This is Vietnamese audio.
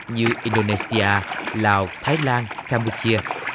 như indonesia lào thái lan campuchia